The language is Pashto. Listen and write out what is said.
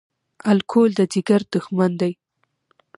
الکول د ځیګر دښمن دی